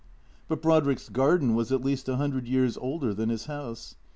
But Brodrick's garden was at least a hundred years older than his house.